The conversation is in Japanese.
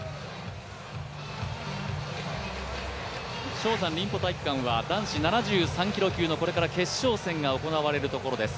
蕭山臨浦体育館は男子７３キロ級の決勝戦が行われるところです。